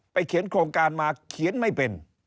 เขียนโครงการมาเขียนไม่เป็น